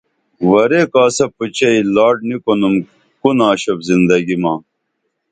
ورے کاسہ پوچئی لاٹ نی کُنُم کو ناشوپ زندگی ما